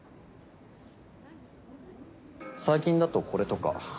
最近だとこれとか。